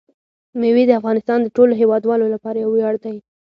مېوې د افغانستان د ټولو هیوادوالو لپاره یو ویاړ دی.